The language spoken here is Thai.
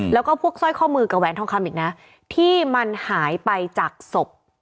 แล้วก็พวกสร้อยข้อมือกับแหวนทองคำอีกนะที่มันหายไปจากศพ